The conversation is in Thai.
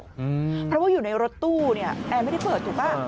เพราะว่าอยู่ในรถตู้เนี่ยแอร์ไม่ได้เปิดถูกป่ะ